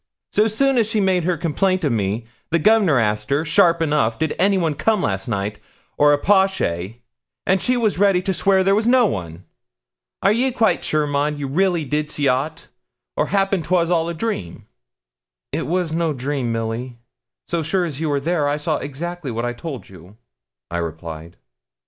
So soon as she made her complaint of me, the Gov'nor asked her, sharp enough, did anyone come last night, or a po'shay; and she was ready to swear there was no one. Are ye quite sure, Maud, you really did see aught, or 'appen 'twas all a dream?' 'It was no dream, Milly; so sure as you are there, I saw exactly what I told you,' I replied.